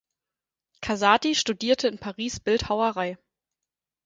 Casati studierte in Paris Bildhauerei.